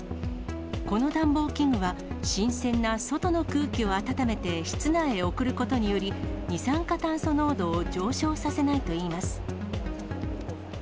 この暖房器具は、新鮮な外の空気を暖めて、室内へ送ることにより、二酸化炭素濃度を上昇させないといいます。